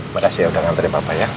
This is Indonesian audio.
makasih ya udah ngantri papa ya